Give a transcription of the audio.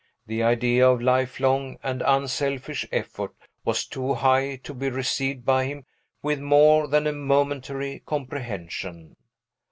The idea of lifelong and unselfish effort was too high to be received by him with more than a momentary comprehension.